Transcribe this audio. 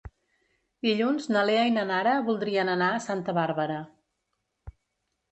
Dilluns na Lea i na Nara voldrien anar a Santa Bàrbara.